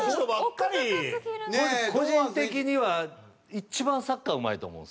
個人的には一番サッカーうまいと思うんですよ。